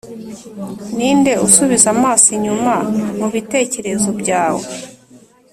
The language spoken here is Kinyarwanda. ninde usubiza amaso inyuma mubitekerezo byawe?